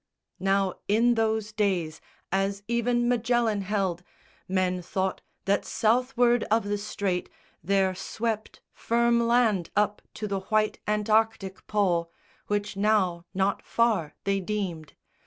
Now, in those days, as even Magellan held, Men thought that Southward of the strait there swept Firm land up to the white Antarticke Pole, Which now not far they deemed.